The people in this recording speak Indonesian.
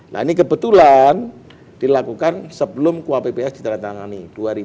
nah ini kebetulan dilakukan sebelum kuapps ditandatangani dua ribu tujuh belas